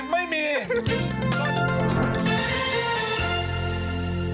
ไปแล้ว